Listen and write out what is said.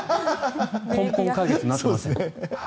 根本解決になってません。